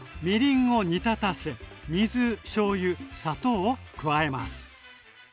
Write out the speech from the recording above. みりんを煮立たせ水しょうゆ砂糖を加えます。